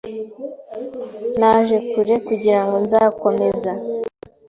Naje kure, kugirango nzakomeza.